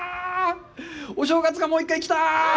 お正月がもう一回来た！